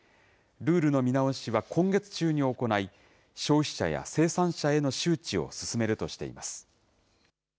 ルールの見直しは今月中に行い、消費者や生産者などへの周知を進めるとしています。